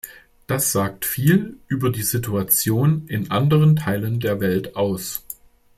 Das sagt viel über die Situation in anderen Teilen der Welt aus.